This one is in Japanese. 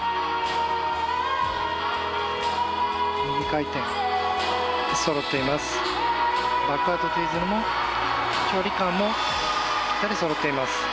右回転、そろっています。